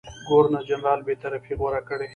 ګورنرجنرال بېطرفي غوره کړي.